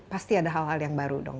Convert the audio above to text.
pasti ada hal hal yang baru dong